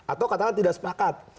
atau katanya tidak sepakat